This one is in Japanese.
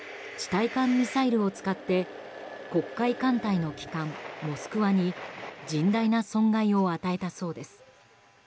対艦ミサイルを使って黒海艦隊の旗艦「モスクワ」に甚大な損害を与えたそうです。